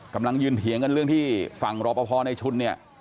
กำลังยืนเถียงกันเรื่องที่ฝั่งรอปภในชุนเนี่ย